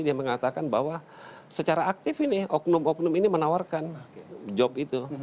dia mengatakan bahwa secara aktif ini oknum oknum ini menawarkan job itu